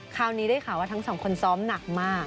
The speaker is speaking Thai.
คราวนี้ได้ข่าวว่าทั้งสองคนซ้อมหนักมาก